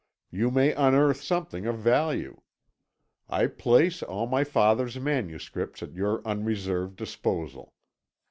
You may unearth something of value. I place all my father's manuscripts at your unreserved disposal.